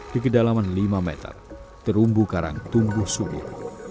di kedalaman lima meter terumbu karang tumbuh subur